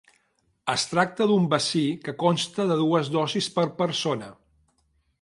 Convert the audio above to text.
Es tracta d’un vaccí que consta de dues dosis per persona.